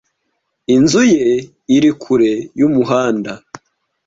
Inzu ye iri kure yumuhanda.